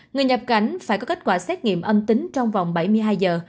người nhập cảnh phải có kết quả xét nghiệm âm tính trong vòng bảy mươi hai giờ